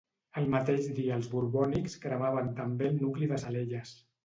El mateix dia els borbònics cremaven també el nucli de Salelles.